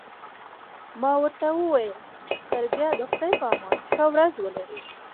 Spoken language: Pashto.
ما ورته وویل: تر بیا د خدای په امان، ښه ورځ ولرئ.